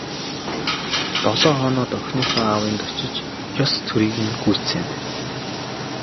Долоо хоноод охиныхоо аавынд очиж ёс төрийг нь гүйцээнэ.